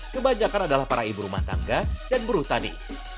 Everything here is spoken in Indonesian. kebanyakan adalah para ibu rumah tangga dan buruh tani